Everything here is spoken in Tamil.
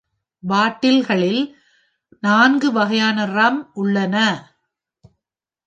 பாட்டில்களில் நான்கு வகையான ரம் உள்ளன.